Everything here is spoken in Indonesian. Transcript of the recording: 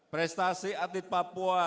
prestasi atlet papua